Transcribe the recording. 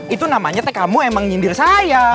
itu namanya teh kamu emang nyindir saya